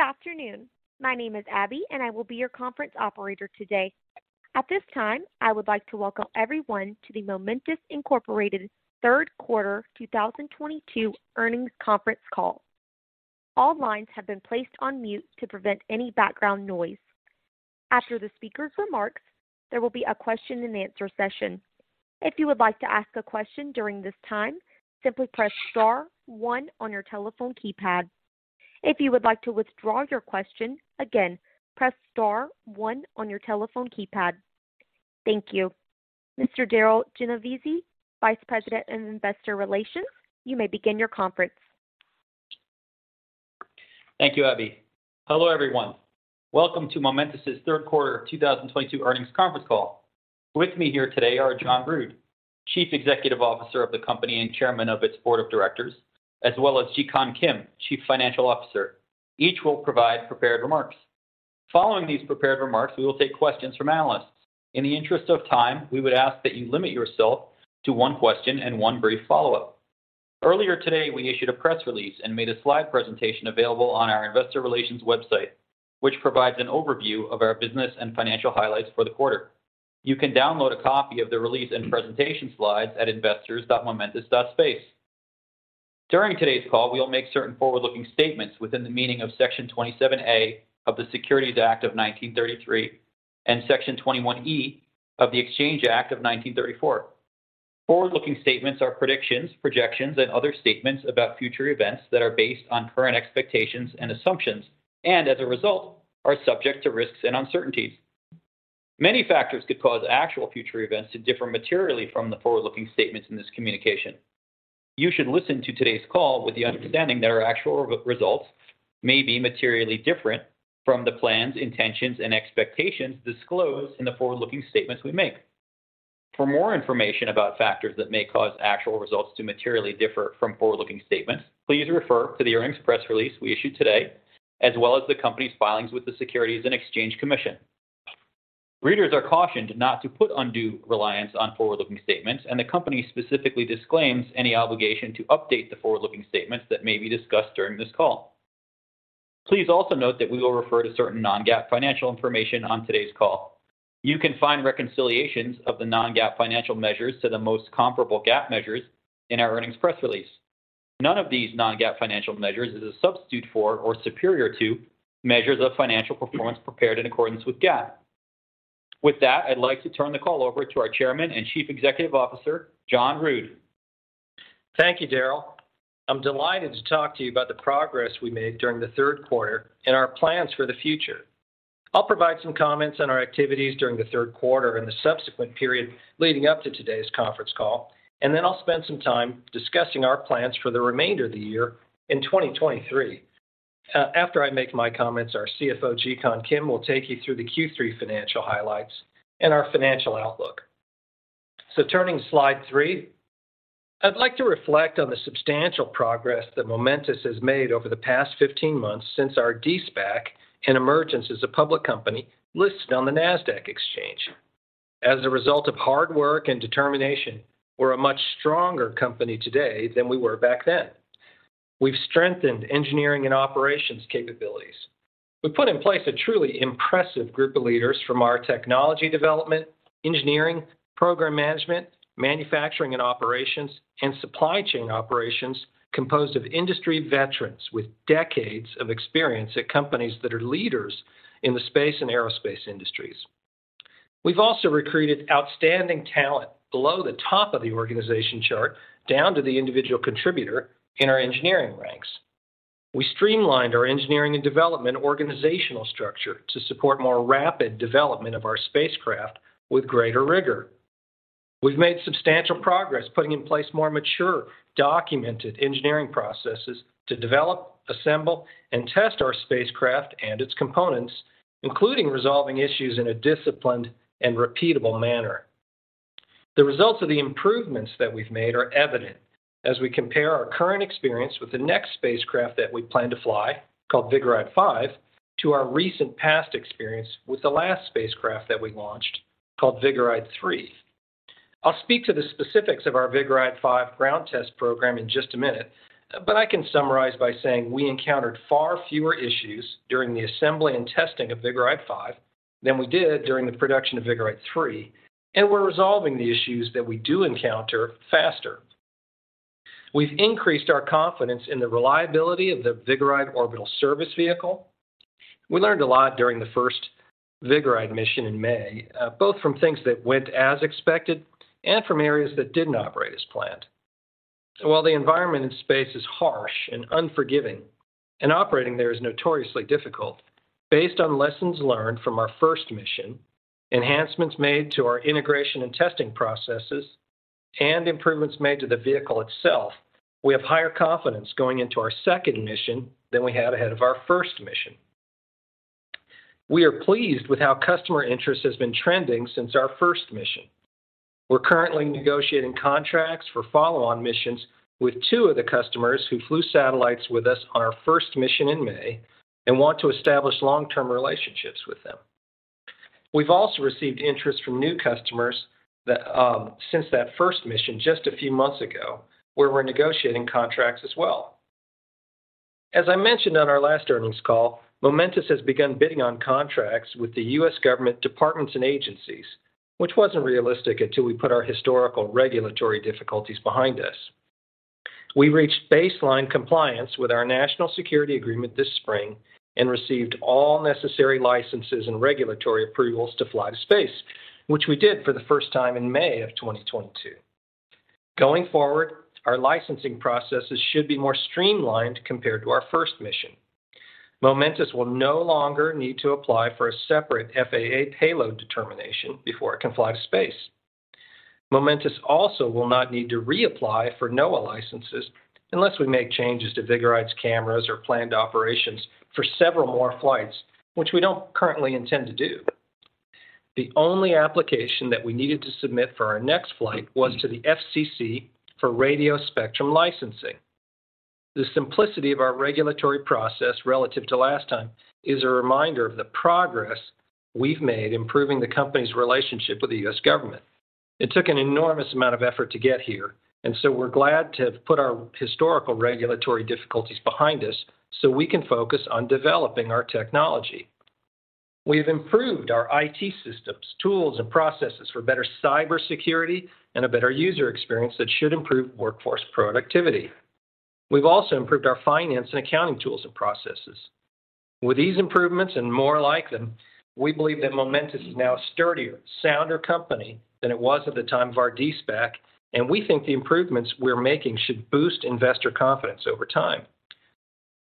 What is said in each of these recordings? Good afternoon. My name is Abby, I will be your conference operator today. At this time, I would like to welcome everyone to the Momentus Inc. Third Quarter 2022 Earnings Conference Call. All lines have been placed on mute to prevent any background noise. After the speaker's remarks, there will be a question and answer session. If you would like to ask a question during this time, simply press star one on your telephone keypad. If you would like to withdraw your question, again, press star one on your telephone keypad. Thank you. Mr. Darryl Genovesi, Vice President of Investor Relations, you may begin your conference. Thank you, Abby. Hello, everyone. Welcome to Momentus' Third Quarter 2022 Earnings Conference Call. With me here today are John Rood, Chief Executive Officer of the company and Chairman of its board of directors, as well as Jikun Kim, Chief Financial Officer. Each will provide prepared remarks. Following these prepared remarks, we will take questions from analysts. In the interest of time, we would ask that you limit yourself to one question and one brief follow-up. Earlier today, we issued a press release and made a slide presentation available on our investor relations website, which provides an overview of our business and financial highlights for the quarter. You can download a copy of the release and presentation slides at investors.momentus.space. During today's call, we'll make certain forward-looking statements within the meaning of Section 27A of the Securities Act of 1933 and Section 21E of the Exchange Act of 1934. Forward-looking statements are predictions, projections, and other statements about future events that are based on current expectations and assumptions, as a result, are subject to risks and uncertainties. Many factors could cause actual future events to differ materially from the forward-looking statements in this communication. You should listen to today's call with the understanding that our actual results may be materially different from the plans, intentions, and expectations disclosed in the forward-looking statements we make. For more information about factors that may cause actual results to materially differ from forward-looking statements, please refer to the earnings press release we issued today, as well as the company's filings with the Securities and Exchange Commission. Readers are cautioned not to put undue reliance on forward-looking statements, the company specifically disclaims any obligation to update the forward-looking statements that may be discussed during this call. Please also note that we will refer to certain non-GAAP financial information on today's call. You can find reconciliations of the non-GAAP financial measures to the most comparable GAAP measures in our earnings press release. None of these non-GAAP financial measures is a substitute for or superior to measures of financial performance prepared in accordance with GAAP. With that, I'd like to turn the call over to our Chairman and Chief Executive Officer, John Rood. Thank you, Darryl. I'm delighted to talk to you about the progress we made during the third quarter and our plans for the future. I'll provide some comments on our activities during the third quarter and the subsequent period leading up to today's conference call. I'll spend some time discussing our plans for the remainder of the year in 2023. After I make my comments, our CFO, Jikun Kim, will take you through the Q3 financial highlights and our financial outlook. Turning to slide three. I'd like to reflect on the substantial progress that Momentus has made over the past 15 months since our de-SPAC and emergence as a public company listed on the Nasdaq exchange. As a result of hard work and determination, we're a much stronger company today than we were back then. We've strengthened engineering and operations capabilities. We put in place a truly impressive group of leaders from our technology development, engineering, program management, manufacturing and operations, and supply chain operations composed of industry veterans with decades of experience at companies that are leaders in the space and aerospace industries. We've also recruited outstanding talent below the top of the organization chart down to the individual contributor in our engineering ranks. We streamlined our engineering and development organizational structure to support more rapid development of our spacecraft with greater rigor. We've made substantial progress putting in place more mature, documented engineering processes to develop, assemble, and test our spacecraft and its components, including resolving issues in a disciplined and repeatable manner. The results of the improvements that we've made are evident as we compare our current experience with the next spacecraft that we plan to fly, called Vigoride-5, to our recent past experience with the last spacecraft that we launched, called Vigoride-3. I'll speak to the specifics of our Vigoride-5 ground test program in just a minute. I can summarize by saying we encountered far fewer issues during the assembly and testing of Vigoride-5 than we did during the production of Vigoride-3, and we're resolving the issues that we do encounter faster. We've increased our confidence in the reliability of the Vigoride orbital service vehicle. We learned a lot during the first Vigoride mission in May, both from things that went as expected and from areas that didn't operate as planned. While the environment in space is harsh and unforgiving and operating there is notoriously difficult, based on lessons learned from our first mission, enhancements made to our integration and testing processes, and improvements made to the vehicle itself, we have higher confidence going into our second mission than we had ahead of our first mission. We are pleased with how customer interest has been trending since our first mission. We're currently negotiating contracts for follow-on missions with two of the customers who flew satellites with us on our first mission in May and want to establish long-term relationships with them. We've also received interest from new customers since that first mission just a few months ago, where we're negotiating contracts as well. As I mentioned on our last earnings call, Momentus has begun bidding on contracts with the U.S. government departments and agencies, which wasn't realistic until we put our historical regulatory difficulties behind us. We reached baseline compliance with our National Security Agreement this spring and received all necessary licenses and regulatory approvals to fly to space, which we did for the first time in May 2022. Going forward, our licensing processes should be more streamlined compared to our first mission. Momentus will no longer need to apply for a separate FAA payload determination before it can fly to space. Momentus also will not need to reapply for NOAA licenses unless we make changes to Vigoride's cameras or planned operations for several more flights, which we don't currently intend to do. The only application that we needed to submit for our next flight was to the FCC for radio spectrum licensing. The simplicity of our regulatory process relative to last time is a reminder of the progress we've made improving the company's relationship with the U.S. government. It took an enormous amount of effort to get here, and so we're glad to have put our historical regulatory difficulties behind us so we can focus on developing our technology. We've improved our IT systems, tools, and processes for better cybersecurity and a better user experience that should improve workforce productivity. We've also improved our finance and accounting tools and processes. With these improvements and more like them, we believe that Momentus is now a sturdier, sounder company than it was at the time of our de-SPAC, and we think the improvements we're making should boost investor confidence over time.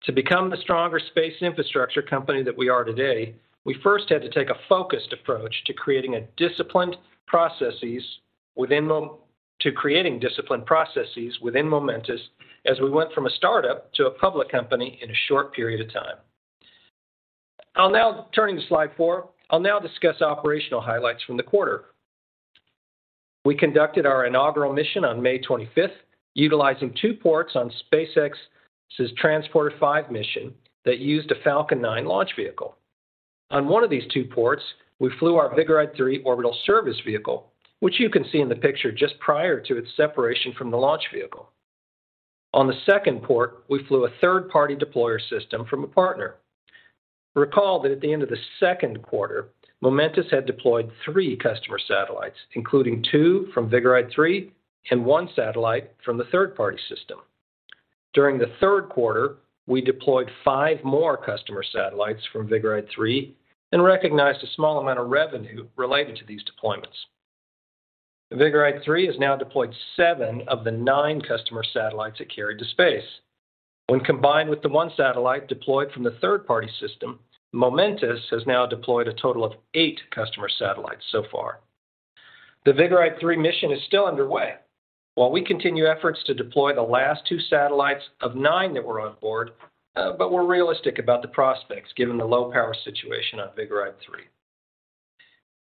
To become the stronger space infrastructure company that we are today, we first had to take a focused approach to creating disciplined processes within Momentus as we went from a startup to a public company in a short period of time. Turning to slide four, I'll now discuss operational highlights from the quarter. We conducted our inaugural mission on May 25th, utilizing two ports on SpaceX's Transporter-5 mission that used a Falcon 9 launch vehicle. On one of these two ports, we flew our Vigoride-3 orbital service vehicle, which you can see in the picture just prior to its separation from the launch vehicle. On the second port, we flew a third-party deployer system from a partner. Recall that at the end of the second quarter, Momentus had deployed three customer satellites, including two from Vigoride-3 and one satellite from the third-party system. During the third quarter, we deployed five more customer satellites from Vigoride-3 and recognized a small amount of revenue related to these deployments. Vigoride-3 has now deployed seven of the nine customer satellites it carried to space. When combined with the one satellite deployed from the third-party system, Momentus has now deployed a total of eight customer satellites so far. The Vigoride-3 mission is still underway. While we continue efforts to deploy the last two satellites of nine that were on board, but we're realistic about the prospects given the low power situation on Vigoride-3.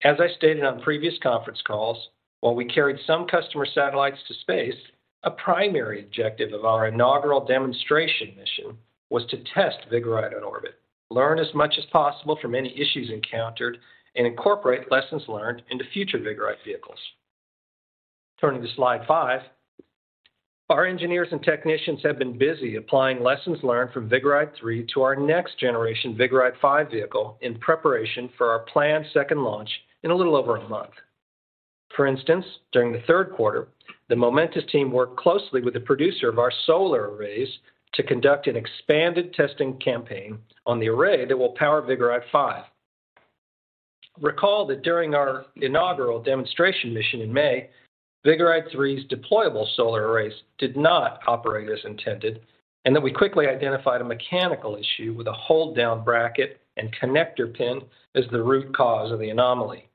As I stated on previous conference calls, while we carried some customer satellites to space, a primary objective of our inaugural demonstration mission was to test Vigoride in orbit, learn as much as possible from any issues encountered, and incorporate lessons learned into future Vigoride vehicles. Turning to slide five. Our engineers and technicians have been busy applying lessons learned from Vigoride-3 to our next generation Vigoride-5 vehicle in preparation for our planned second launch in a little over a month. For instance, during the third quarter, the Momentus team worked closely with the producer of our solar arrays to conduct an expanded testing campaign on the array that will power Vigoride-5. Recall that during our inaugural demonstration mission in May, Vigoride-3's deployable solar arrays did not operate as intended, and that we quickly identified a mechanical issue with a hold-down bracket and connector pin as the root cause of the anomaly.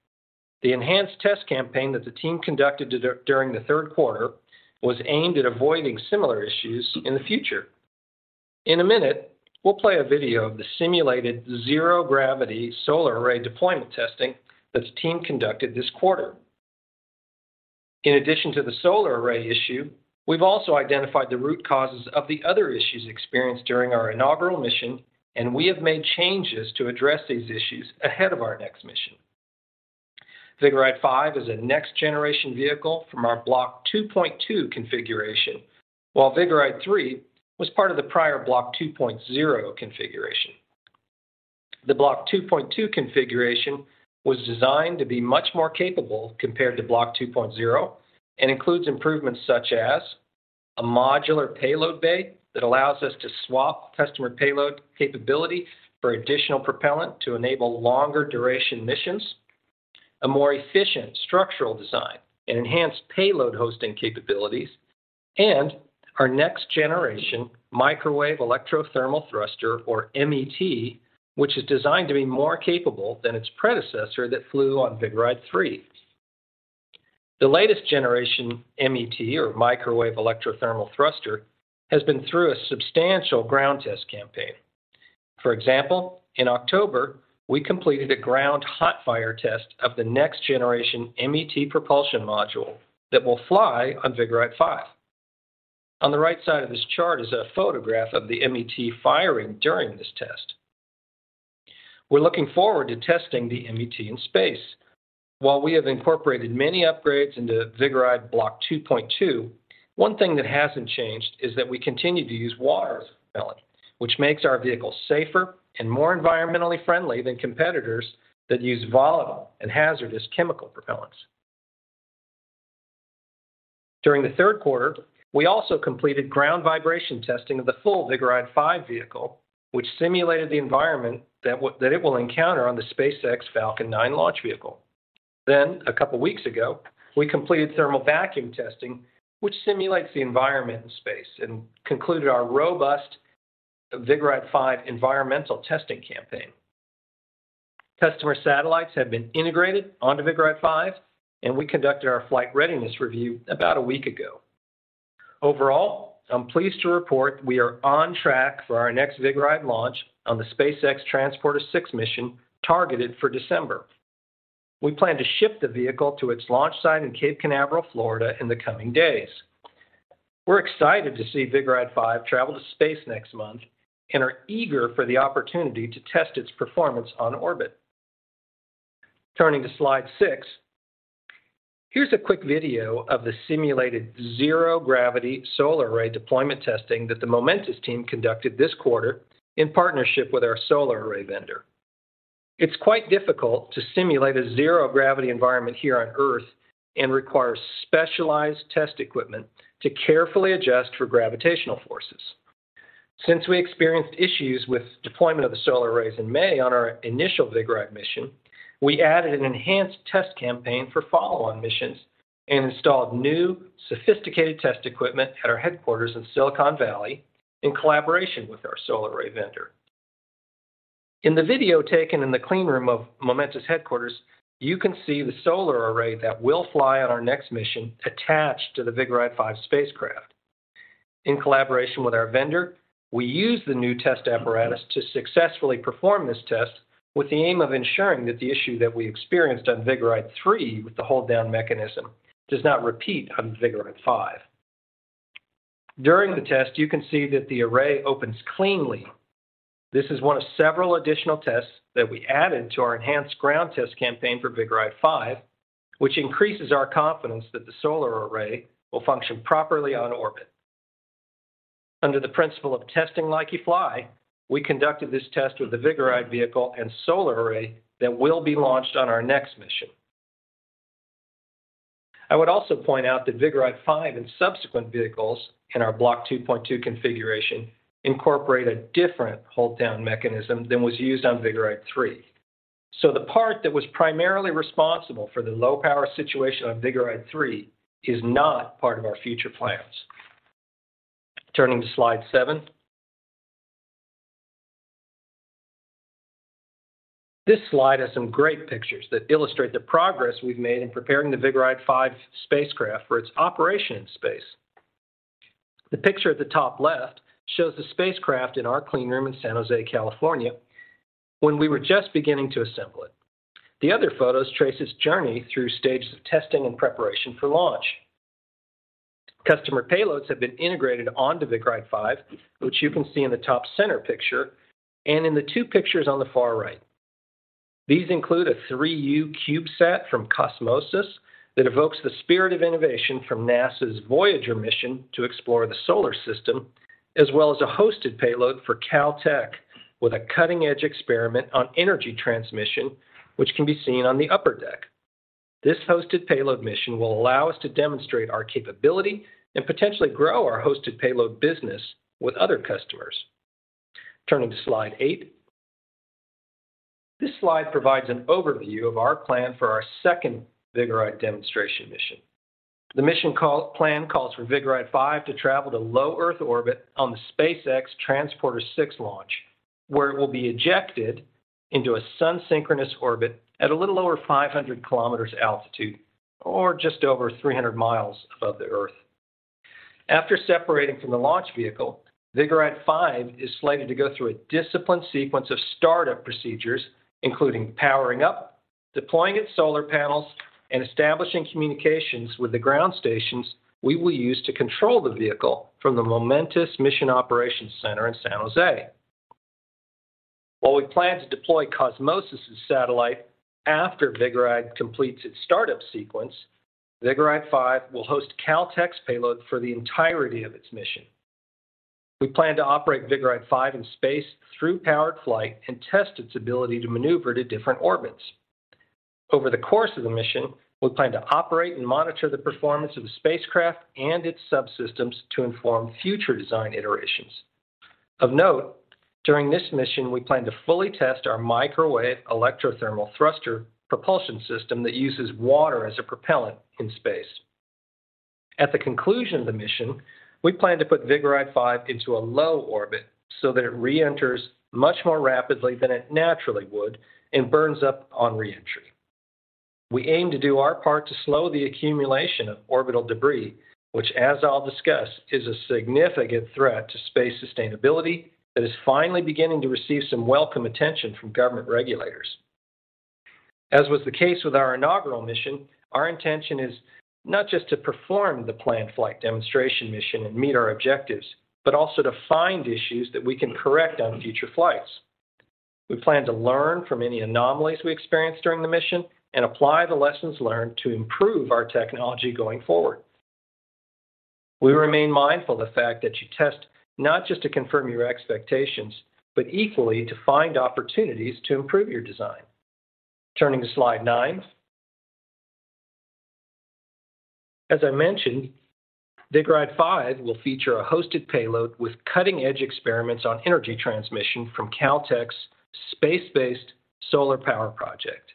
The enhanced test campaign that the team conducted during the third quarter was aimed at avoiding similar issues in the future. In a minute, we'll play a video of the simulated zero-gravity solar array deployment testing that the team conducted this quarter. In addition to the solar array issue, we've also identified the root causes of the other issues experienced during our inaugural mission, and we have made changes to address these issues ahead of our next mission. Vigoride-5 is a next generation vehicle from our Block 2.2 configuration, while Vigoride-3 was part of the prior Block 2.0 configuration. The Block 2.2 configuration was designed to be much more capable compared to Block 2.0 and includes improvements such as a modular payload bay that allows us to swap customer payload capability for additional propellant to enable longer duration missions, a more efficient structural design and enhanced payload hosting capabilities, and our next generation Microwave Electrothermal Thruster, or MET, which is designed to be more capable than its predecessor that flew on Vigoride-3. The latest generation MET, or Microwave Electrothermal Thruster, has been through a substantial ground test campaign. For example, in October, we completed a ground hot fire test of the next generation MET propulsion module that will fly on Vigoride-5. On the right side of this chart is a photograph of the MET firing during this test. We're looking forward to testing the MET in space. While we have incorporated many upgrades into Vigoride Block 2.2, one thing that hasn't changed is that we continue to use water as a propellant, which makes our vehicle safer and more environmentally friendly than competitors that use volatile and hazardous chemical propellants. During the third quarter, we also completed ground vibration testing of the full Vigoride 5 vehicle, which simulated the environment that it will encounter on the SpaceX Falcon 9 launch vehicle. A couple of 2 weeks ago, we completed thermal vacuum testing, which simulates the environment in space, and concluded our robust Vigoride 5 environmental testing campaign. Customer satellites have been integrated onto Vigoride 5, and we conducted our flight readiness review about a week ago. Overall, I'm pleased to report we are on track for our next Vigoride launch on the SpaceX Transporter-6 mission targeted for December. We plan to ship the vehicle to its launch site in Cape Canaveral, Florida, in the coming days. We're excited to see Vigoride 5 travel to space next month and are eager for the opportunity to test its performance on orbit. Turning to slide six. Here's a quick video of the simulated zero-gravity solar array deployment testing that the Momentus team conducted this quarter in partnership with our solar array vendor. It's quite difficult to simulate a zero-gravity environment here on Earth and requires specialized test equipment to carefully adjust for gravitational forces. Since we experienced issues with deployment of the solar arrays in May on our initial Vigoride mission, we added an enhanced test campaign for follow-on missions and installed new, sophisticated test equipment at our headquarters in Silicon Valley in collaboration with our solar array vendor. In the video taken in the clean room of Momentus headquarters, you can see the solar array that will fly on our next mission attached to the Vigoride 5 spacecraft. In collaboration with our vendor, we used the new test apparatus to successfully perform this test with the aim of ensuring that the issue that we experienced on Vigoride 3 with the hold-down mechanism does not repeat on Vigoride 5. During the test, you can see that the array opens cleanly. This is one of several additional tests that we added to our enhanced ground test campaign for Vigoride 5, which increases our confidence that the solar array will function properly on orbit. Under the principle of testing like you fly, we conducted this test with the Vigoride vehicle and solar array that will be launched on our next mission. I would also point out that Vigoride 5 and subsequent vehicles in our Block 2.2 configuration incorporate a different hold-down mechanism than was used on Vigoride 3. The part that was primarily responsible for the low power situation on Vigoride 3 is not part of our future plans. Turning to slide seven. This slide has some great pictures that illustrate the progress we've made in preparing the Vigoride 5 spacecraft for its operation in space. The picture at the top left shows the spacecraft in our clean room in San Jose, California, when we were just beginning to assemble it. The other photos trace its journey through stages of testing and preparation for launch. Customer payloads have been integrated onto Vigoride 5, which you can see in the top center picture and in the two pictures on the far right. These include a 3U CubeSat from Cosmosis that evokes the spirit of innovation from NASA's Voyager mission to explore the solar system, as well as a hosted payload for Caltech with a cutting-edge experiment on energy transmission, which can be seen on the upper deck. This hosted payload mission will allow us to demonstrate our capability and potentially grow our hosted payload business with other customers. Turning to slide eight. This slide provides an overview of our plan for our second Vigoride demonstration mission. The mission plan calls for Vigoride 5 to travel to low Earth orbit on the SpaceX Transporter-6 launch, where it will be ejected into a Sun-synchronous orbit at a little over 500 kilometers altitude or just over 300 miles above the Earth. After separating from the launch vehicle, Vigoride 5 is slated to go through a disciplined sequence of startup procedures, including powering up, deploying its solar panels, and establishing communications with the ground stations we will use to control the vehicle from the Momentus Mission Operations Center in San Jose. While we plan to deploy Cosmosis' satellite after Vigoride completes its startup sequence, Vigoride 5 will host Caltech's payload for the entirety of its mission. We plan to operate Vigoride 5 in space through powered flight and test its ability to maneuver to different orbits. Over the course of the mission, we plan to operate and monitor the performance of the spacecraft and its subsystems to inform future design iterations. Of note, during this mission, we plan to fully test our Microwave Electrothermal Thruster propulsion system that uses water as a propellant in space. At the conclusion of the mission, we plan to put Vigoride-5 into a low orbit so that it reenters much more rapidly than it naturally would and burns up on reentry. We aim to do our part to slow the accumulation of orbital debris, which, as I'll discuss, is a significant threat to space sustainability that is finally beginning to receive some welcome attention from government regulators. As was the case with our inaugural mission, our intention is not just to perform the planned flight demonstration mission and meet our objectives, but also to find issues that we can correct on future flights. We plan to learn from any anomalies we experience during the mission and apply the lessons learned to improve our technology going forward. We remain mindful of the fact that you test not just to confirm your expectations, but equally to find opportunities to improve your design. Turning to slide nine. As I mentioned, Vigoride-5 will feature a hosted payload with cutting-edge experiments on energy transmission from Caltech's space-based solar power project.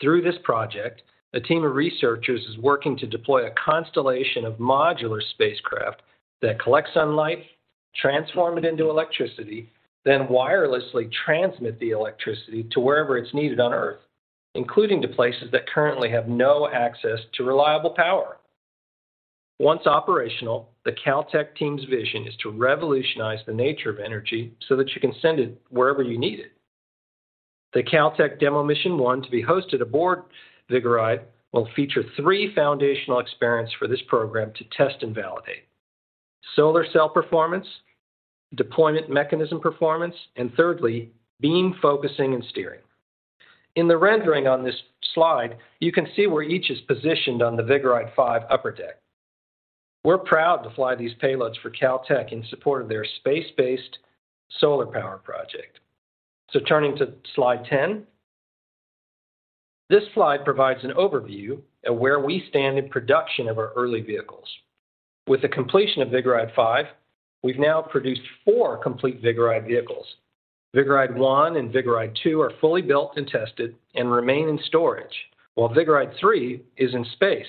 Through this project, a team of researchers is working to deploy a constellation of modular spacecraft that collect sunlight, transform it into electricity, then wirelessly transmit the electricity to wherever it's needed on Earth, including to places that currently have no access to reliable power. Once operational, the Caltech team's vision is to revolutionize the nature of energy so that you can send it wherever you need it. The Caltech demo mission one to be hosted aboard Vigoride will feature three foundational experiments for this program to test and validate. Solar cell performance, deployment mechanism performance, and thirdly, beam focusing and steering. In the rendering on this slide, you can see where each is positioned on the Vigoride-5 upper deck. We're proud to fly these payloads for Caltech in support of their space-based solar power project. Turning to slide 10. This slide provides an overview of where we stand in production of our early vehicles. With the completion of Vigoride-5, we've now produced four complete Vigoride vehicles. Vigoride-1 and Vigoride-2 are fully built and tested and remain in storage, while Vigoride-3 is in space.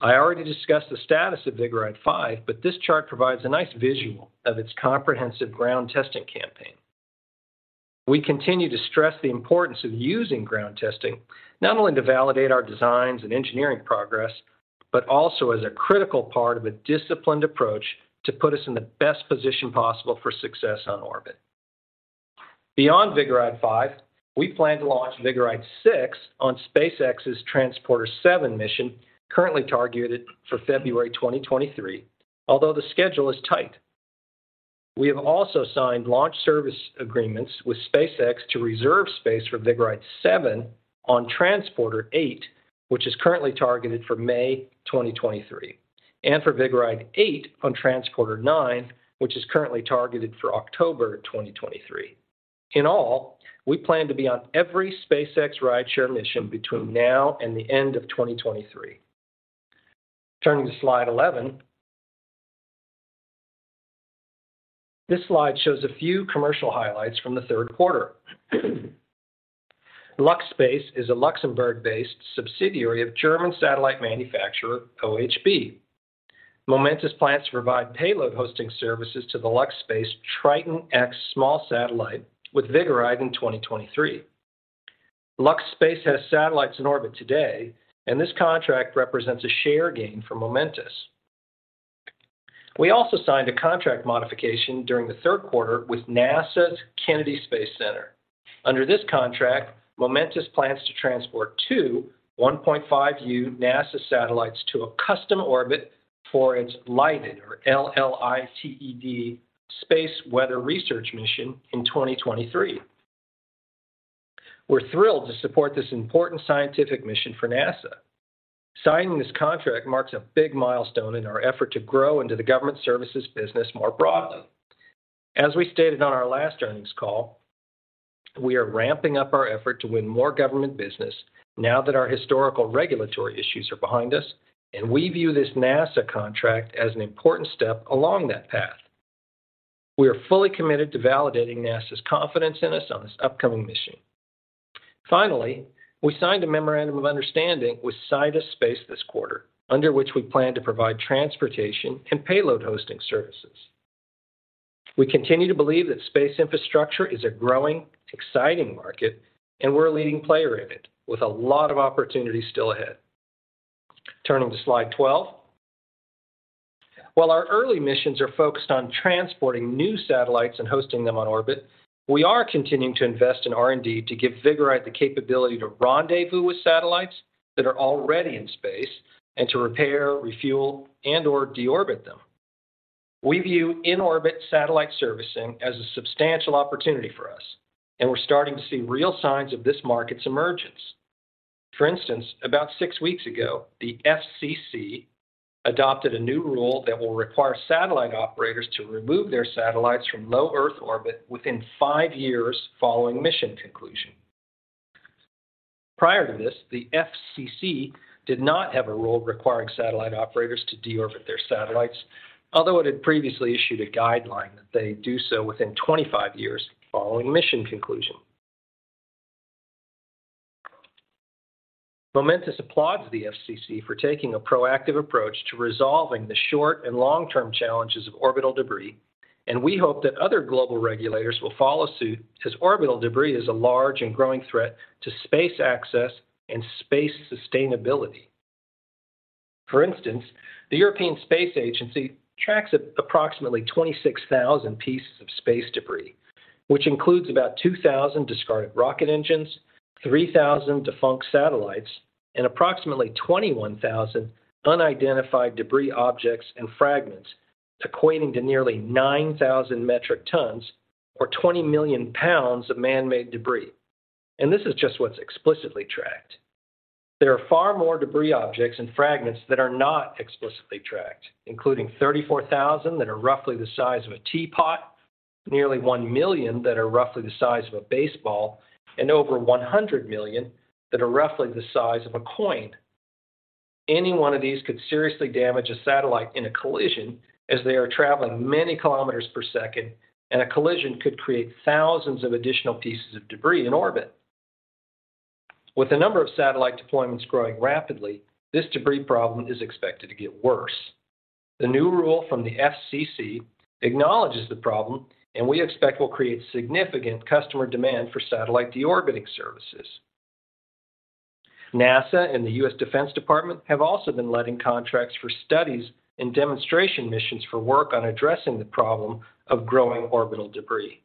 I already discussed the status of Vigoride-5, but this chart provides a nice visual of its comprehensive ground testing campaign. We continue to stress the importance of using ground testing, not only to validate our designs and engineering progress, but also as a critical part of a disciplined approach to put us in the best position possible for success on orbit. Beyond Vigoride-5, we plan to launch Vigoride-6 on SpaceX's Transporter-7 mission, currently targeted for February 2023, although the schedule is tight. We have also signed launch service agreements with SpaceX to reserve space for Vigoride-7 on Transporter-8, which is currently targeted for May 2023, and for Vigoride-8 on Transporter-9, which is currently targeted for October 2023. In all, we plan to be on every SpaceX rideshare mission between now and the end of 2023. Turning to slide 11. This slide shows a few commercial highlights from the third quarter. LuxSpace is a Luxembourg-based subsidiary of German satellite manufacturer OHB. Momentus plans to provide payload hosting services to the LuxSpace Triton-X small satellite with Vigoride in 2023. LuxSpace has satellites in orbit today, and this contract represents a share gain for Momentus. We also signed a contract modification during the third quarter with NASA's Kennedy Space Center. Under this contract, Momentus plans to transport two 1.5U NASA satellites to a custom orbit for its LLITED, or L-L-I-T-E-D, space weather research mission in 2023. We are thrilled to support this important scientific mission for NASA. Signing this contract marks a big milestone in our effort to grow into the government services business more broadly. As we stated on our last earnings call, we are ramping up our effort to win more government business now that our historical regulatory issues are behind us. We view this NASA contract as an important step along that path. We are fully committed to validating NASA's confidence in us on this upcoming mission. Finally, we signed a memorandum of understanding with Sidus Space this quarter, under which we plan to provide transportation and payload hosting services. We continue to believe that space infrastructure is a growing, exciting market. We are a leading player in it, with a lot of opportunity still ahead. Turning to slide 12. While our early missions are focused on transporting new satellites and hosting them on orbit, we are continuing to invest in R&D to give Vigoride the capability to rendezvous with satellites that are already in space and to repair, refuel, and/or deorbit them. We view in-orbit satellite servicing as a substantial opportunity for us. We are starting to see real signs of this market's emergence. For instance, about six weeks ago, the FCC adopted a new rule that will require satellite operators to remove their satellites from low Earth orbit within five years following mission conclusion. Prior to this, the FCC did not have a rule requiring satellite operators to deorbit their satellites, although it had previously issued a guideline that they do so within 25 years following mission conclusion. Momentus applauds the FCC for taking a proactive approach to resolving the short and long-term challenges of orbital debris. We hope that other global regulators will follow suit because orbital debris is a large and growing threat to space access and space sustainability. For instance, the European Space Agency tracks approximately 26,000 pieces of space debris, which includes about 2,000 discarded rocket engines, 3,000 defunct satellites, and approximately 21,000 unidentified debris objects and fragments, equating to nearly 9,000 metric tons or 20 million pounds of man-made debris. This is just what's explicitly tracked. There are far more debris objects and fragments that are not explicitly tracked, including 34,000 that are roughly the size of a teapot, nearly 1 million that are roughly the size of a baseball, and over 100 million that are roughly the size of a coin. Any one of these could seriously damage a satellite in a collision as they are traveling many kilometers per second, and a collision could create thousands of additional pieces of debris in orbit. With the number of satellite deployments growing rapidly, this debris problem is expected to get worse. The new rule from the FCC acknowledges the problem and we expect will create significant customer demand for satellite deorbiting services. NASA and the U.S. Defense Department have also been letting contracts for studies and demonstration missions for work on addressing the problem of growing orbital debris.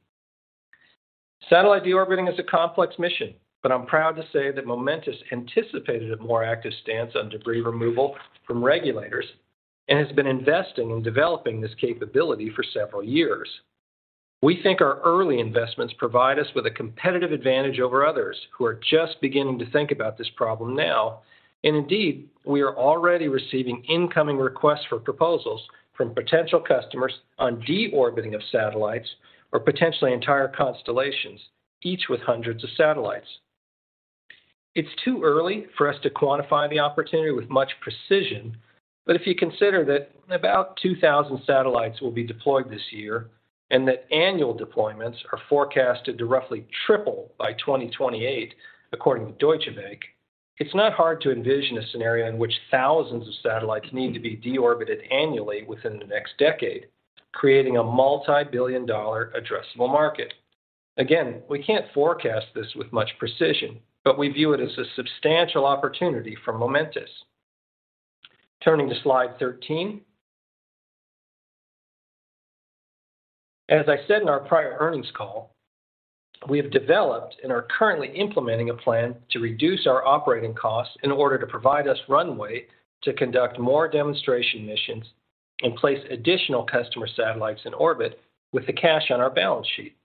Satellite deorbiting is a complex mission. I'm proud to say that Momentus anticipated a more active stance on debris removal from regulators and has been investing in developing this capability for several years. We think our early investments provide us with a competitive advantage over others who are just beginning to think about this problem now. Indeed, we are already receiving incoming requests for proposals from potential customers on deorbiting of satellites or potentially entire constellations, each with hundreds of satellites. It's too early for us to quantify the opportunity with much precision. If you consider that about 2,000 satellites will be deployed this year and that annual deployments are forecasted to roughly triple by 2028, according to Deutsche Bank, it's not hard to envision a scenario in which thousands of satellites need to be deorbited annually within the next decade, creating a multi-billion dollar addressable market. Again, we can't forecast this with much precision. We view it as a substantial opportunity for Momentus. Turning to slide 13. As I said in our prior earnings call, we have developed and are currently implementing a plan to reduce our operating costs in order to provide us runway to conduct more demonstration missions and place additional customer satellites in orbit with the cash on our balance sheet.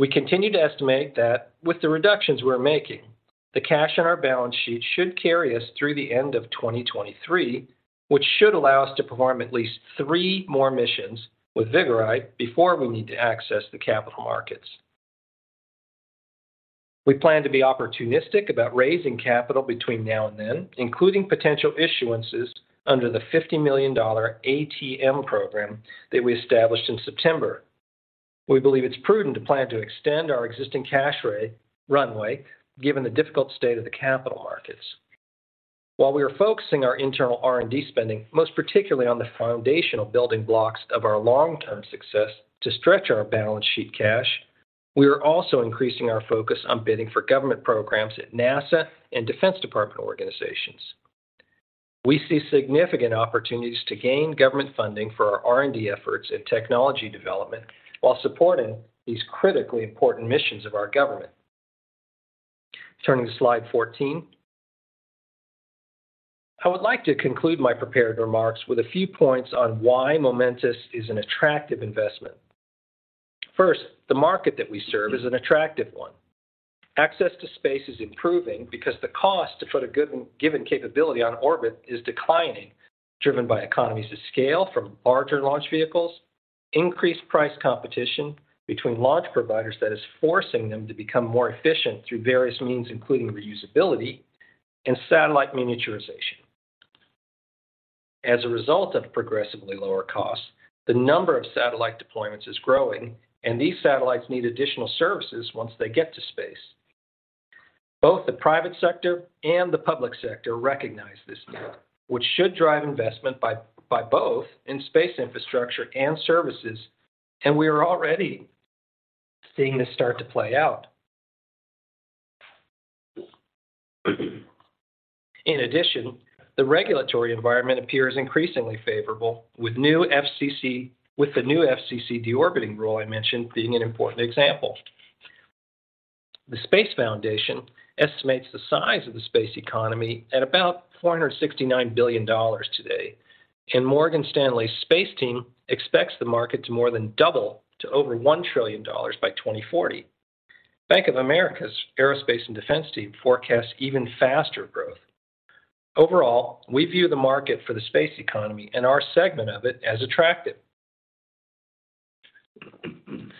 We continue to estimate that with the reductions we're making, the cash on our balance sheet should carry us through the end of 2023, which should allow us to perform at least three more missions with Vigoride before we need to access the capital markets. We plan to be opportunistic about raising capital between now and then, including potential issuances under the $50 million ATM program that we established in September. We believe it's prudent to plan to extend our existing cash runway, given the difficult state of the capital markets. While we are focusing our internal R&D spending, most particularly on the foundational building blocks of our long-term success to stretch our balance sheet cash, we are also increasing our focus on bidding for government programs at NASA and Defense Department organizations. We see significant opportunities to gain government funding for our R&D efforts and technology development while supporting these critically important missions of our government. Turning to slide 14. I would like to conclude my prepared remarks with a few points on why Momentus is an attractive investment. First, the market that we serve is an attractive one. Access to space is improving because the cost to put a given capability on orbit is declining, driven by economies of scale from larger launch vehicles, increased price competition between launch providers that is forcing them to become more efficient through various means, including reusability and satellite miniaturization. As a result of progressively lower costs, the number of satellite deployments is growing, and these satellites need additional services once they get to space. Both the private sector and the public sector recognize this need, which should drive investment by both in space infrastructure and services, we are already seeing this start to play out. In addition, the regulatory environment appears increasingly favorable with the new FCC deorbiting rule I mentioned being an important example. The Space Foundation estimates the size of the space economy at about $469 billion today, Morgan Stanley's space team expects the market to more than double to over $1 trillion by 2040. Bank of America's aerospace and defense team forecasts even faster growth. Overall, we view the market for the space economy and our segment of it as attractive.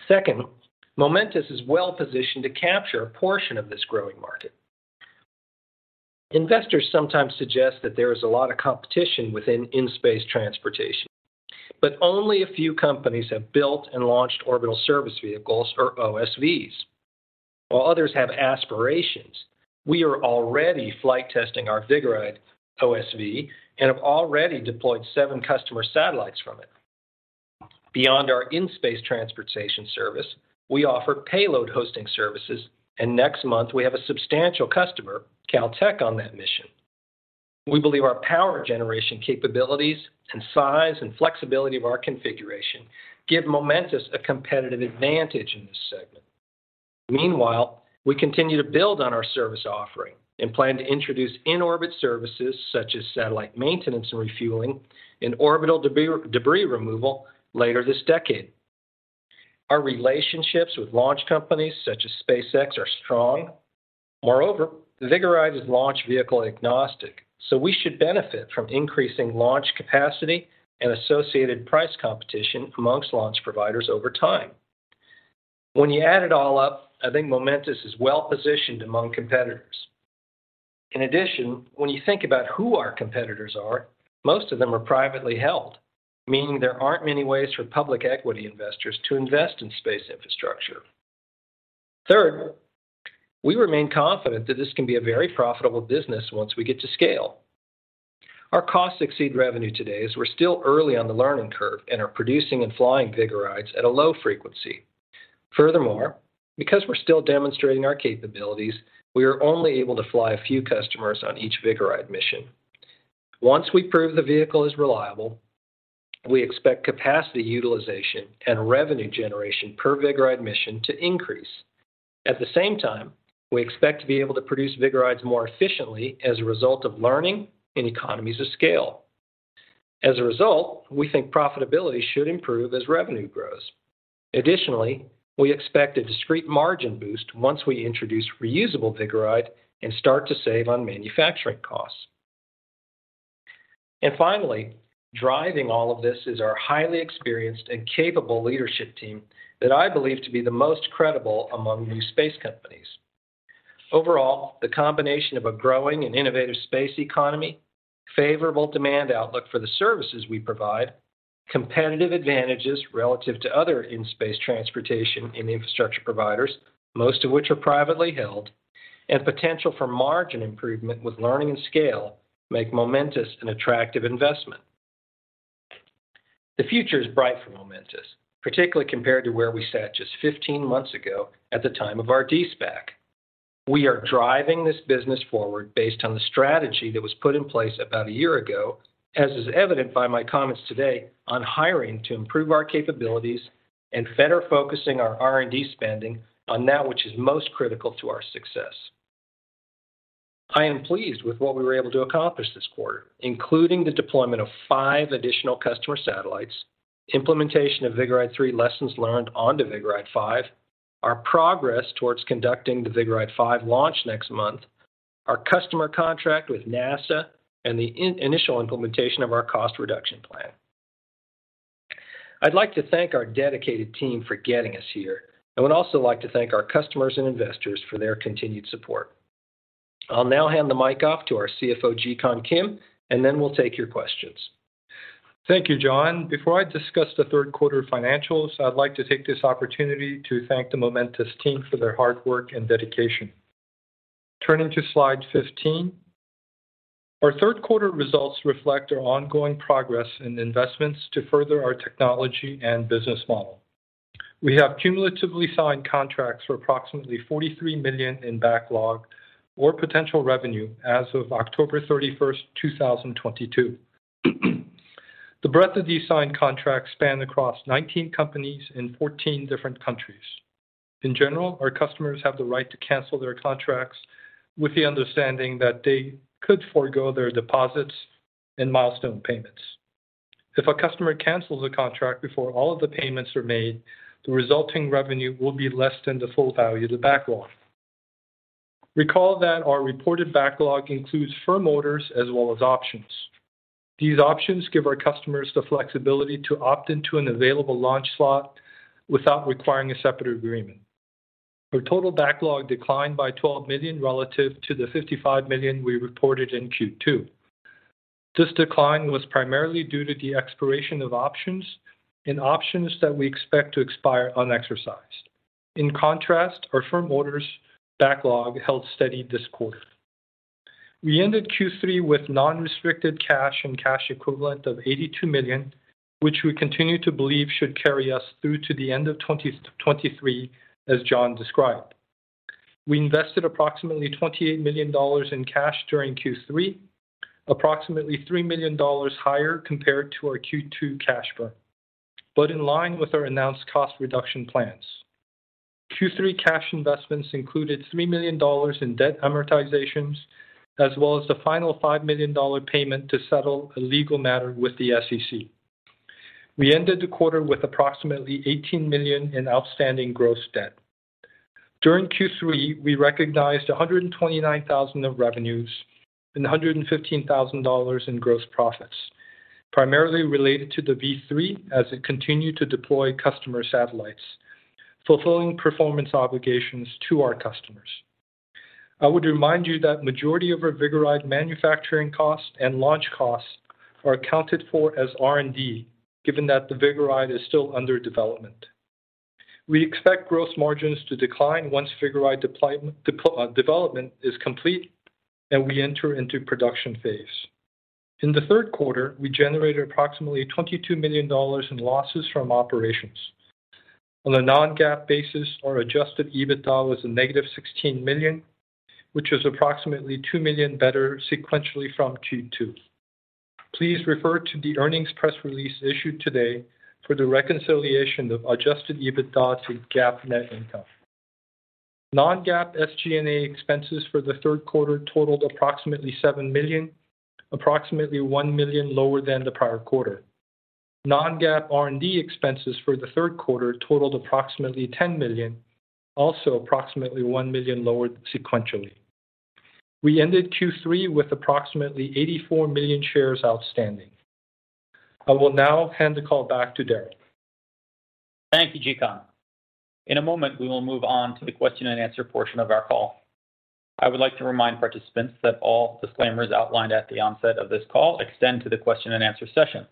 Second, Momentus is well-positioned to capture a portion of this growing market. Investors sometimes suggest that there is a lot of competition within in-space transportation, but only a few companies have built and launched orbital service vehicles or OSVs. While others have aspirations, we are already flight testing our Vigoride OSV and have already deployed seven customer satellites from it. Beyond our in-space transportation service, we offer payload hosting services, next month we have a substantial customer, Caltech, on that mission. We believe our power generation capabilities and size and flexibility of our configuration give Momentus a competitive advantage in this segment. Meanwhile, we continue to build on our service offering and plan to introduce in-orbit services such as satellite maintenance and refueling and orbital debris removal later this decade. Our relationships with launch companies such as SpaceX are strong. Moreover, Vigoride is launch vehicle agnostic, so we should benefit from increasing launch capacity and associated price competition amongst launch providers over time. When you add it all up, I think Momentus is well-positioned among competitors. In addition, when you think about who our competitors are, most of them are privately held, meaning there aren't many ways for public equity investors to invest in space infrastructure. Third, we remain confident that this can be a very profitable business once we get to scale. Our costs exceed revenue today, as we're still early on the learning curve and are producing and flying Vigorides at a low frequency. Furthermore, because we're still demonstrating our capabilities, we are only able to fly a few customers on each Vigoride mission. Once we prove the vehicle is reliable, we expect capacity utilization and revenue generation per Vigoride mission to increase. At the same time, we expect to be able to produce Vigorides more efficiently as a result of learning and economies of scale. As a result, we think profitability should improve as revenue grows. Additionally, we expect a discrete margin boost once we introduce reusable Vigoride and start to save on manufacturing costs. Finally, driving all of this is our highly experienced and capable leadership team that I believe to be the most credible among new space companies. Overall, the combination of a growing and innovative space economy, favorable demand outlook for the services we provide, competitive advantages relative to other in-space transportation and infrastructure providers, most of which are privately held, and potential for margin improvement with learning and scale, make Momentus an attractive investment. The future is bright for Momentus, particularly compared to where we sat just 15 months ago at the time of our de-SPAC. We are driving this business forward based on the strategy that was put in place about a year ago, as is evident by my comments today on hiring to improve our capabilities and better focusing our R&D spending on that which is most critical to our success. I am pleased with what we were able to accomplish this quarter, including the deployment of five additional customer satellites, implementation of Vigoride 3 lessons learned onto Vigoride 5, our progress towards conducting the Vigoride 5 launch next month, our customer contract with NASA, and the initial implementation of our cost reduction plan. I'd like to thank our dedicated team for getting us here, and would also like to thank our customers and investors for their continued support. I'll now hand the mic off to our CFO, Jikun Kim, and then we'll take your questions. Thank you, John. Before I discuss the third quarter financials, I'd like to take this opportunity to thank the Momentus team for their hard work and dedication. Turning to slide 15, our third quarter results reflect our ongoing progress and investments to further our technology and business model. We have cumulatively signed contracts for approximately $43 million in backlog or potential revenue as of October 31st, 2022. The breadth of these signed contracts span across 19 companies in 14 different countries. In general, our customers have the right to cancel their contracts with the understanding that they could forgo their deposits and milestone payments. If a customer cancels a contract before all of the payments are made, the resulting revenue will be less than the full value of the backlog. Recall that our reported backlog includes firm orders as well as options. These options give our customers the flexibility to opt into an available launch slot without requiring a separate agreement. Our total backlog declined by $12 million relative to the $55 million we reported in Q2. This decline was primarily due to the expiration of options and options that we expect to expire unexercised. In contrast, our firm orders backlog held steady this quarter. We ended Q3 with non-restricted cash and cash equivalent of $82 million, which we continue to believe should carry us through to the end of 2023, as John described. We invested approximately $28 million in cash during Q3, approximately $3 million higher compared to our Q2 cash burn, but in line with our announced cost reduction plans. Q3 cash investments included $3 million in debt amortizations, as well as the final $5 million payment to settle a legal matter with the SEC. We ended the quarter with approximately $18 million in outstanding gross debt. During Q3, we recognized $129,000 of revenues and $115,000 in gross profits, primarily related to the V3 as it continued to deploy customer satellites, fulfilling performance obligations to our customers. I would remind you that majority of our Vigoride manufacturing costs and launch costs are accounted for as R&D, given that the Vigoride is still under development. We expect gross margins to decline once Vigoride development is complete and we enter into production phase. In the third quarter, we generated approximately $22 million in losses from operations. On a non-GAAP basis, our adjusted EBITDA was a negative $16 million, which is approximately $2 million better sequentially from Q2. Please refer to the earnings press release issued today for the reconciliation of adjusted EBITDA to GAAP net income. Non-GAAP SG&A expenses for the third quarter totaled approximately $7 million, approximately $1 million lower than the prior quarter. Non-GAAP R&D expenses for the third quarter totaled approximately $10 million, also approximately $1 million lower sequentially. We ended Q3 with approximately 84 million shares outstanding. I will now hand the call back to Darryl. Thank you, Jikun. In a moment, we will move on to the question and answer portion of our call. I would like to remind participants that all disclaimers outlined at the onset of this call extend to the question and answer session.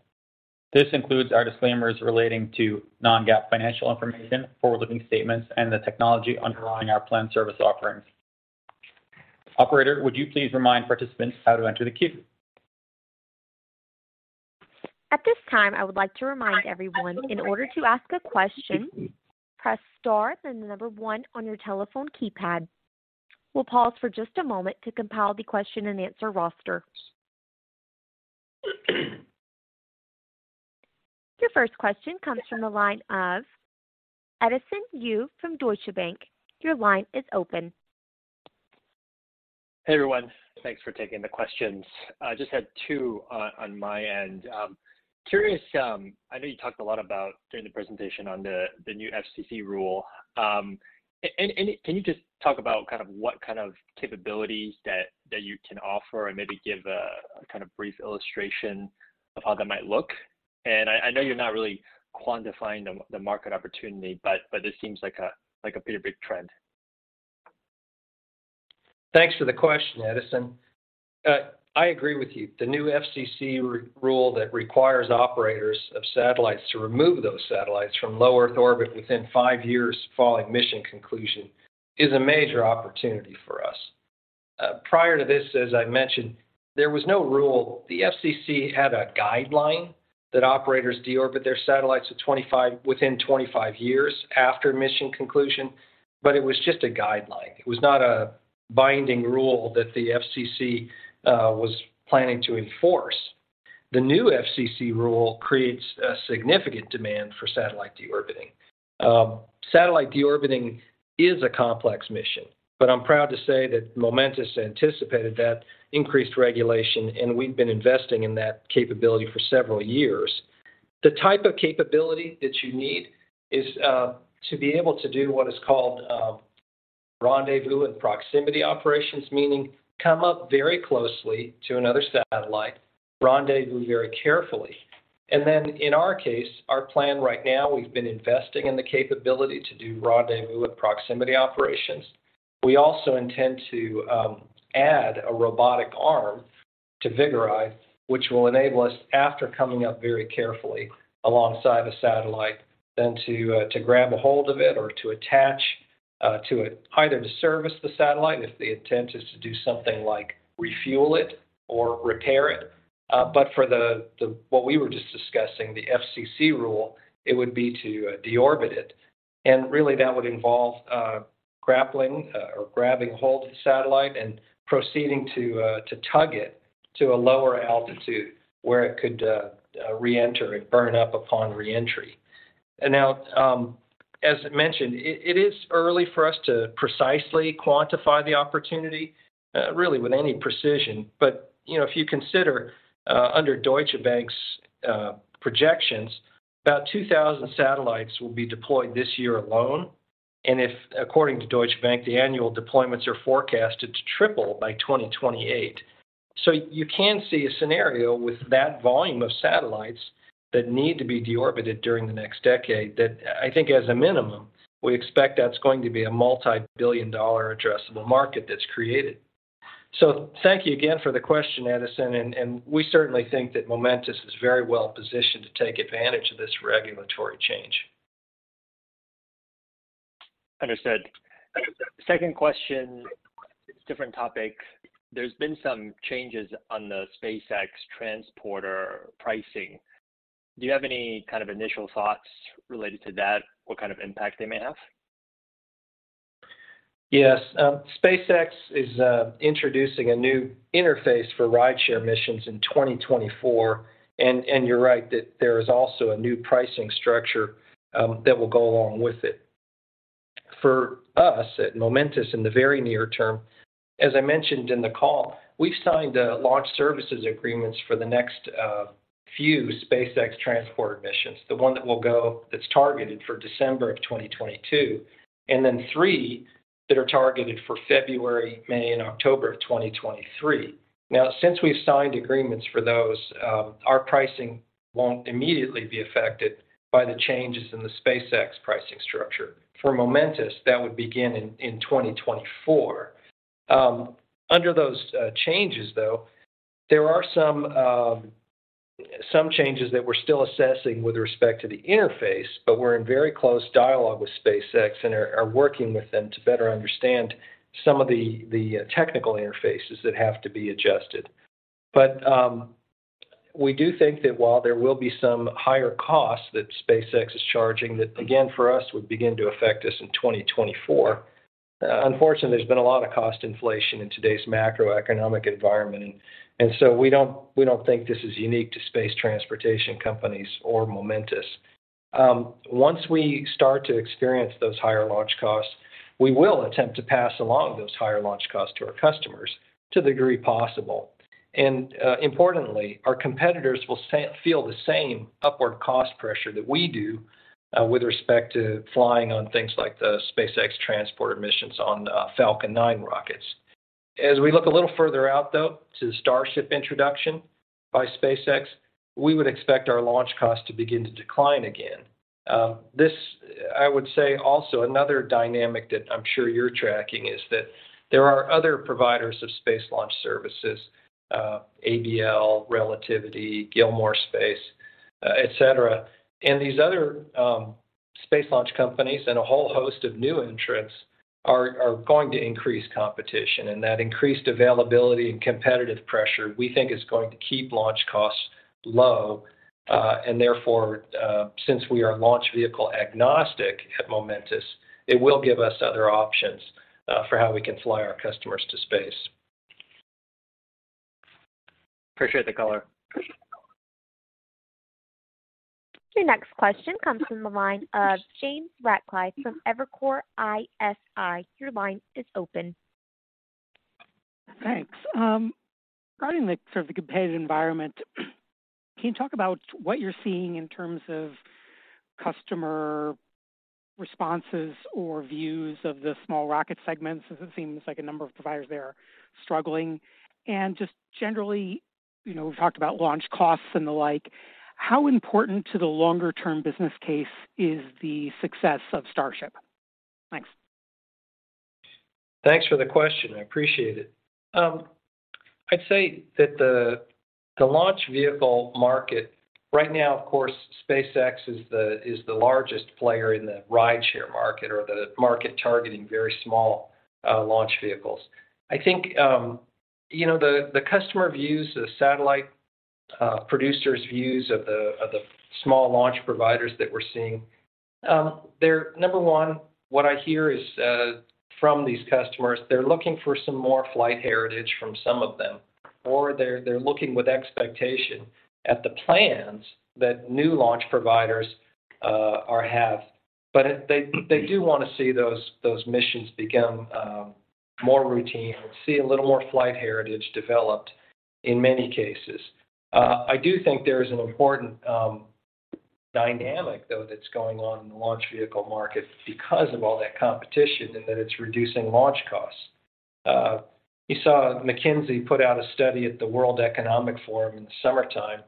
This includes our disclaimers relating to non-GAAP financial information, forward-looking statements, and the technology underlying our planned service offerings. Operator, would you please remind participants how to enter the queue? At this time, I would like to remind everyone, in order to ask a question, press star, then the number 1 on your telephone keypad. We'll pause for just a moment to compile the question and answer roster. Your first question comes from the line of Edison Yu from Deutsche Bank. Your line is open. Hey, everyone. Thanks for taking the questions. I just had two on my end. Curious, I know you talked a lot about, during the presentation, on the new FCC rule. Can you just talk about what kind of capabilities that you can offer and maybe give a brief illustration of how that might look? I know you're not really quantifying the market opportunity, but this seems like a pretty big trend. Thanks for the question, Edison. I agree with you. The new FCC rule that requires operators of satellites to remove those satellites from low Earth orbit within 5 years following mission conclusion is a major opportunity for us. Prior to this, as I mentioned, there was no rule. The FCC had a guideline that operators de-orbit their satellites within 25 years after mission conclusion, but it was just a guideline. It was not a binding rule that the FCC was planning to enforce. The new FCC rule creates a significant demand for satellite de-orbiting. Satellite de-orbiting is a complex mission, but I'm proud to say that Momentus anticipated that increased regulation, and we've been investing in that capability for several years. The type of capability that you need is to be able to do what is called rendezvous and proximity operations, meaning come up very closely to another satellite, rendezvous very carefully. In our case, our plan right now, we've been investing in the capability to do rendezvous and proximity operations. We also intend to add a robotic arm to Vigoride, which will enable us, after coming up very carefully alongside a satellite, then to grab a hold of it or to attach to it, either to service the satellite if the intent is to do something like refuel it or repair it. For what we were just discussing, the FCC rule, it would be to de-orbit it. That would involve grappling or grabbing hold of the satellite and proceeding to tug it to a lower altitude where it could reenter and burn up upon reentry. As mentioned, it is early for us to precisely quantify the opportunity, really with any precision. If you consider under Deutsche Bank's projections, about 2,000 satellites will be deployed this year alone. According to Deutsche Bank, the annual deployments are forecasted to triple by 2028. You can see a scenario with that volume of satellites that need to be de-orbited during the next decade that I think as a minimum, we expect that's going to be a multibillion-dollar addressable market that's created. Thank you again for the question, Edison, and we certainly think that Momentus is very well-positioned to take advantage of this regulatory change. Understood. Second question, different topic. There's been some changes on the SpaceX transporter pricing. Do you have any kind of initial thoughts related to that? What kind of impact they may have? Yes. SpaceX is introducing a new interface for rideshare missions in 2024. You're right that there is also a new pricing structure that will go along with it. For us at Momentus in the very near term, as I mentioned in the call, we've signed launch services agreements for the next few SpaceX transport missions, the one that will go that's targeted for December of 2022, and then three that are targeted for February, May, and October of 2023. Since we've signed agreements for those, our pricing won't immediately be affected by the changes in the SpaceX pricing structure. For Momentus, that would begin in 2024. Under those changes, though, there are Some changes that we're still assessing with respect to the interface. We're in very close dialogue with SpaceX and are working with them to better understand some of the technical interfaces that have to be adjusted. We do think that while there will be some higher costs that SpaceX is charging, that again, for us, would begin to affect us in 2024. Unfortunately, there's been a lot of cost inflation in today's macroeconomic environment. We don't think this is unique to space transportation companies or Momentus. Once we start to experience those higher launch costs, we will attempt to pass along those higher launch costs to our customers to the degree possible. Importantly, our competitors will feel the same upward cost pressure that we do with respect to flying on things like the SpaceX transporter missions on Falcon 9 rockets. As we look a little further out, though, to the Starship introduction by SpaceX, we would expect our launch costs to begin to decline again. This, I would say also another dynamic that I'm sure you're tracking is that there are other providers of space launch services, ABL, Relativity, Gilmour Space, et cetera. These other space launch companies and a whole host of new entrants are going to increase competition. That increased availability and competitive pressure, we think is going to keep launch costs low. Therefore, since we are launch vehicle agnostic at Momentus, it will give us other options for how we can fly our customers to space. Appreciate the color. Your next question comes from the line of James Ratcliffe from Evercore ISI. Your line is open. Thanks. Regarding the sort of competitive environment, can you talk about what you're seeing in terms of customer responses or views of the small rocket segments, as it seems like a number of providers there are struggling. Just generally, we've talked about launch costs and the like. How important to the longer-term business case is the success of Starship? Thanks. Thanks for the question. I appreciate it. I'd say that the launch vehicle market right now, of course, SpaceX is the largest player in the rideshare market or the market targeting very small launch vehicles. I think, the customer views, the satellite producers' views of the small launch providers that we're seeing, they're, number one, what I hear is from these customers, they're looking for some more flight heritage from some of them, or they're looking with expectation at the plans that new launch providers have. They do want to see those missions become more routine and see a little more flight heritage developed in many cases. I do think there is an important dynamic, though, that's going on in the launch vehicle market because of all that competition in that it's reducing launch costs. You saw McKinsey put out a study at the World Economic Forum in the summertime,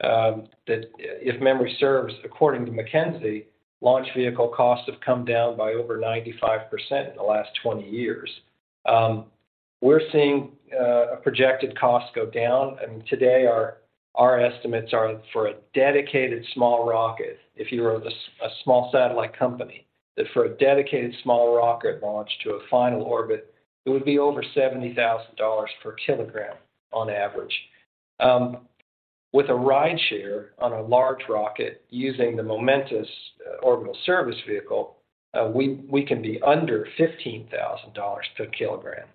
that if memory serves, according to McKinsey, launch vehicle costs have come down by over 95% in the last 20 years. We're seeing a projected cost go down, today our estimates are for a dedicated small rocket, if you were a small satellite company, that for a dedicated small rocket launch to a final orbit, it would be over $70,000 per kilogram on average. With a rideshare on a large rocket using the Momentus orbital service vehicle, we can be under $15,000 per kilogram.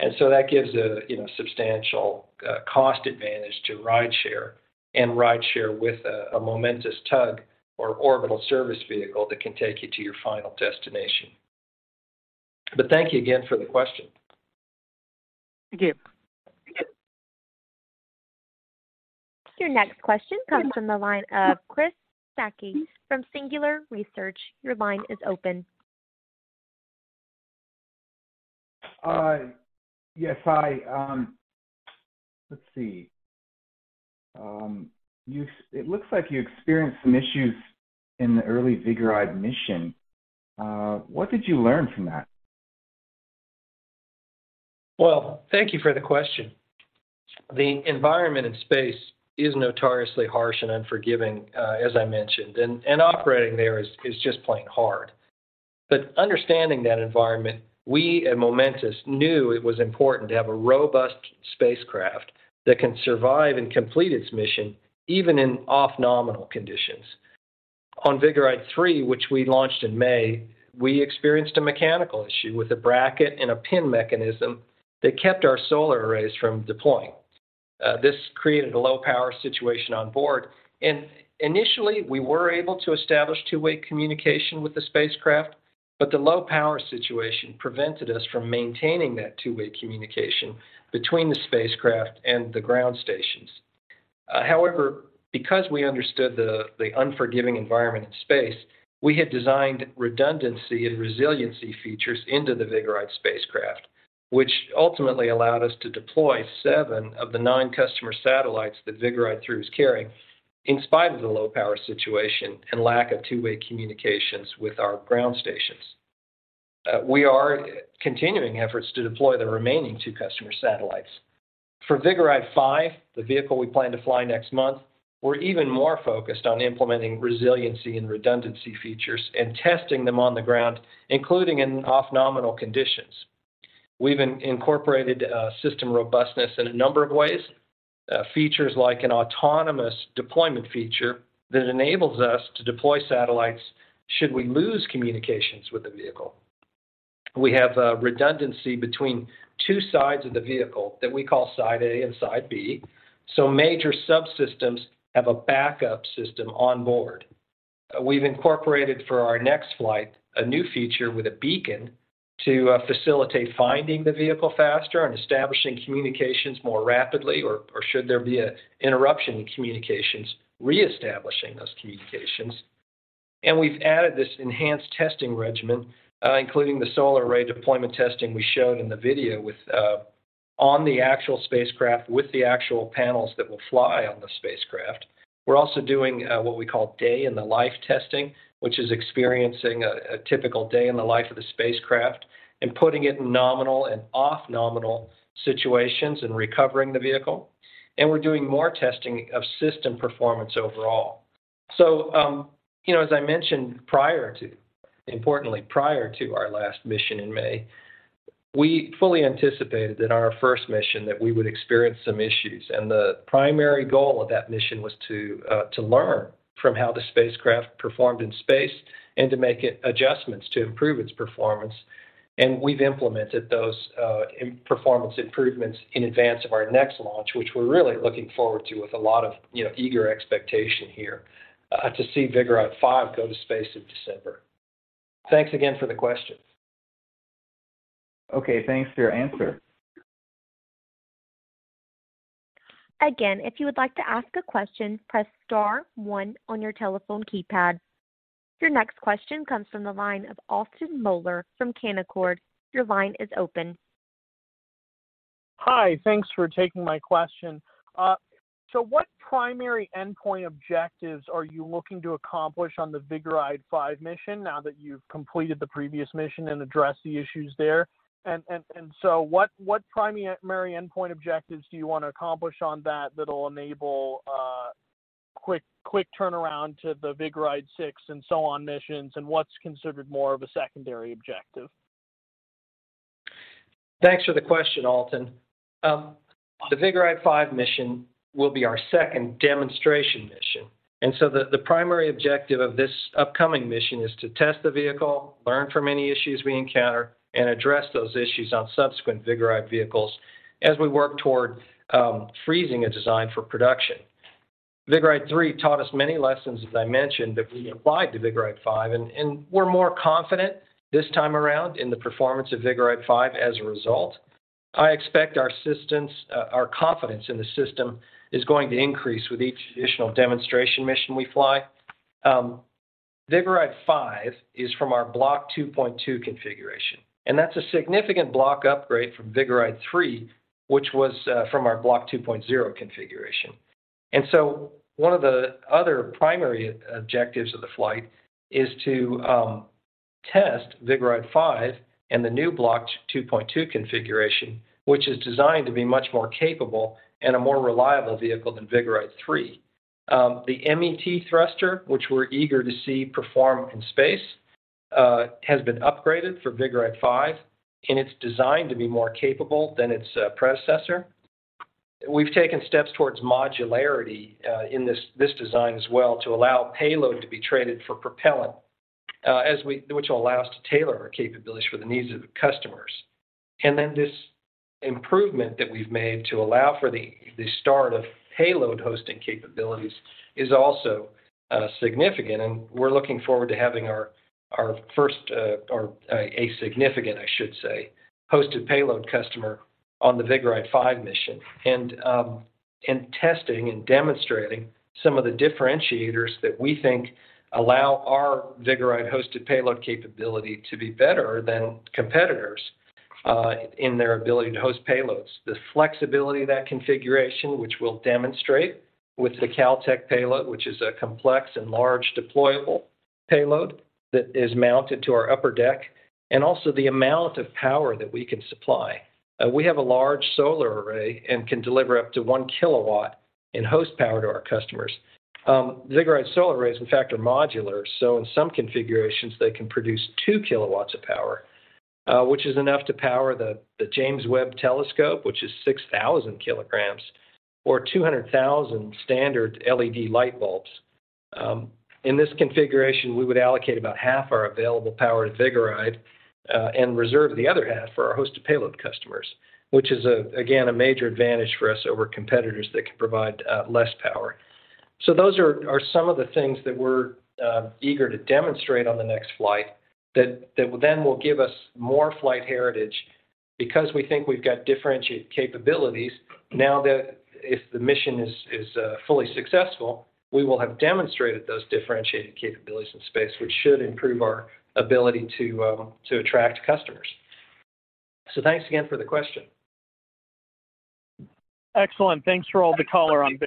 That gives a substantial cost advantage to rideshare and rideshare with a Momentus tug or orbital service vehicle that can take you to your final destination. Thank you again for the question. Thank you. Your next question comes from the line of Chris Sakai from Singular Research. Your line is open. Yes. Hi. Let's see. It looks like you experienced some issues in the early Vigoride mission. What did you learn from that? Well, thank you for the question. The environment in space is notoriously harsh and unforgiving, as I mentioned, and operating there is just plain hard. Understanding that environment, we at Momentus knew it was important to have a robust spacecraft that can survive and complete its mission, even in off-nominal conditions. On Vigoride-3, which we launched in May, we experienced a mechanical issue with a bracket and a pin mechanism that kept our solar arrays from deploying. This created a low-power situation on board, and initially, we were able to establish two-way communication with the spacecraft, but the low-power situation prevented us from maintaining that two-way communication between the spacecraft and the ground stations. Because we understood the unforgiving environment in space, we had designed redundancy and resiliency features into the Vigoride spacecraft, which ultimately allowed us to deploy seven of the nine customer satellites that Vigoride-3 was carrying, in spite of the low-power situation and lack of two-way communications with our ground stations. We are continuing efforts to deploy the remaining two customer satellites. For Vigoride-5, the vehicle we plan to fly next month, we are even more focused on implementing resiliency and redundancy features and testing them on the ground, including in off-nominal conditions. We have incorporated system robustness in a number of ways, features like an autonomous deployment feature that enables us to deploy satellites, should we lose communications with the vehicle. We have redundancy between two sides of the vehicle that we call side A and side B, so major subsystems have a backup system on board. We have incorporated for our next flight, a new feature with a beacon to facilitate finding the vehicle faster and establishing communications more rapidly or, should there be an interruption in communications, reestablishing those communications. We have added this enhanced testing regimen, including the solar array deployment testing we showed in the video on the actual spacecraft with the actual panels that will fly on the spacecraft. We are also doing what we call day in the life testing, which is experiencing a typical day in the life of the spacecraft and putting it in nominal and off-nominal situations and recovering the vehicle. We are doing more testing of system performance overall. As I mentioned, importantly, prior to our last mission in May, we fully anticipated that our first mission, that we would experience some issues. The primary goal of that mission was to learn from how the spacecraft performed in space and to make adjustments to improve its performance. We have implemented those performance improvements in advance of our next launch, which we are really looking forward to with a lot of eager expectation here to see Vigoride-5 go to space in December. Thanks again for the question. Okay, thanks for your answer. Again, if you would like to ask a question, press star one on your telephone keypad. Your next question comes from the line of Austin Moeller from Canaccord. Your line is open. Hi. Thanks for taking my question. What primary endpoint objectives are you looking to accomplish on the Vigoride-5 mission now that you've completed the previous mission and addressed the issues there? What primary endpoint objectives do you want to accomplish on that that'll enable a quick turnaround to the Vigoride-6 and so on missions? What's considered more of a secondary objective? Thanks for the question, Austin. The Vigoride-5 mission will be our second demonstration mission, the primary objective of this upcoming mission is to test the vehicle, learn from any issues we encounter, address those issues on subsequent Vigoride vehicles as we work toward freezing a design for production. Vigoride-3 taught us many lessons, as I mentioned, that we applied to Vigoride-5, we're more confident this time around in the performance of Vigoride-5 as a result. I expect our confidence in the system is going to increase with each additional demonstration mission we fly. Vigoride-5 is from our Block 2.2 configuration, that's a significant block upgrade from Vigoride-3, which was from our Block 2.0 configuration. One of the other primary objectives of the flight is to test Vigoride-5 and the new Block 2.2 configuration, which is designed to be much more capable and a more reliable vehicle than Vigoride-3. The MET thruster, which we're eager to see perform in space, has been upgraded for Vigoride-5, and it's designed to be more capable than its predecessor. We've taken steps towards modularity in this design as well to allow payload to be traded for propellant, which will allow us to tailor our capabilities for the needs of the customers. This improvement that we've made to allow for the start of payload hosting capabilities is also significant, and we're looking forward to having a significant, I should say, hosted payload customer on the Vigoride-5 mission. Testing and demonstrating some of the differentiators that we think allow our Vigoride-hosted payload capability to be better than competitors in their ability to host payloads. The flexibility of that configuration, which we'll demonstrate with the Caltech payload, which is a complex and large deployable payload that is mounted to our upper deck, and also the amount of power that we can supply. We have a large solar array and can deliver up to one kilowatt in host power to our customers. Vigoride solar arrays, in fact, are modular, so in some configurations, they can produce two kilowatts of power, which is enough to power the James Webb Space Telescope, which is 6,000 kilograms or 200,000 standard LED light bulbs. In this configuration, we would allocate about half our available power to Vigoride, and reserve the other half for our hosted payload customers, which is again, a major advantage for us over competitors that can provide less power. Those are some of the things that we're eager to demonstrate on the next flight that then will give us more flight heritage, because we think we've got differentiated capabilities. If the mission is fully successful, we will have demonstrated those differentiated capabilities in space, which should improve our ability to attract customers. Thanks again for the question. Excellent. Thanks for all the color on Vigoride.